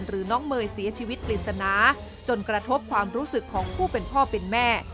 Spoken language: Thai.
น้องเมย์เสียชีวิตปริศนาจนกระทบความรู้สึกของผู้เป็นพ่อเป็นแม่